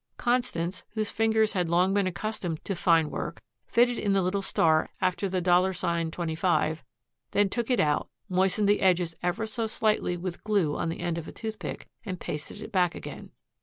Constance, whose fingers had long been accustomed to fine work, fitted in the little star after the $25, then took it out, moistened the edges ever so lightly with glue on the end of a toothpick, and pasted it back again.